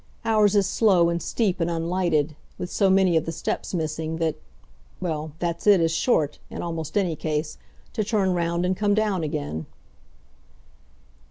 Ours is slow and steep and unlighted, with so many of the steps missing that well, that it's as short, in almost any case, to turn round and come down again."